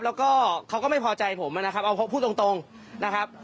แล้วก็เขาก็ไม่พอใจผมนะครับเอาพูดตรงนะครับ